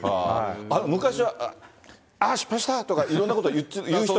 昔は、ああ、失敗したとか、いろんなこと言う人はいたんですか？